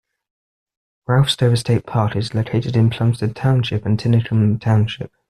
Ralph Stover State Park is located in Plumstead Township and Tinicum Township.